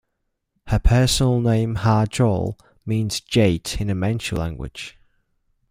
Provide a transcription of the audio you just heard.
Her personal name, Harjol, means "jade" in the Manchu language.